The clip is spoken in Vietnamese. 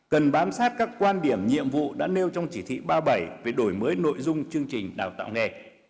cần bám sát các quan điểm nhiệm vụ đã nêu trong chỉ thị ba mươi bảy về đổi mới nội dung chương trình đào tạo nghề